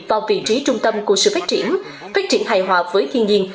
vào vị trí trung tâm của sự phát triển phát triển hài hòa với thiên nhiên